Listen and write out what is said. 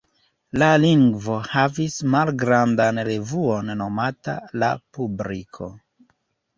La lingvo havis malgrandan revuon nomata "La Publiko".